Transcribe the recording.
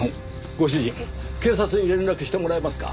ご主人警察に連絡してもらえますか？